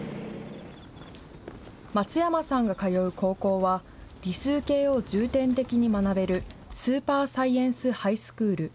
松山さんが通う高校は、理数系を重点的に学べるスーパーサイエンスハイスクール。